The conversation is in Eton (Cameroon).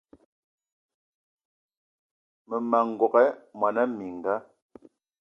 Mmema n'gogué mona mininga